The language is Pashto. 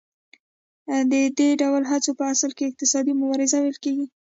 دې ډول هڅو ته په اصل کې اقتصادي مبارزه ویل کېږي